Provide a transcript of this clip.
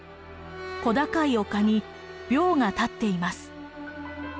小高い丘に廟が建っています。